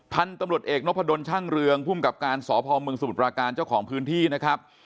ท่านตำรวจเอกนพดลชั่งเรืองพุ่มกับการสอบภาวเมืองสมุทรปราการเจ้าของพื้นที่นะครับ